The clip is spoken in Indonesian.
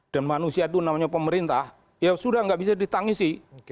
dan manusia itu namanya pemerintah ya sudah tidak bisa ditangisi